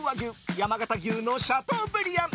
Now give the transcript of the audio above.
山形牛のシャトーブリアン。